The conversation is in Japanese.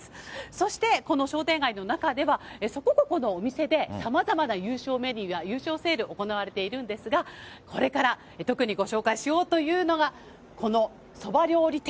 そして、この商店街の中では、そこここのお店でさまざまな優勝メニューや優勝セールが行われているんですが、これから特にご紹介しようというのが、このそば料理店。